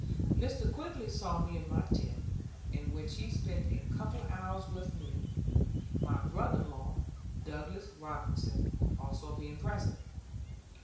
Mr. Quigg saw me in my tent, in which he spent a couple of hours with me, my brother in law, Douglas Robinson, being also present.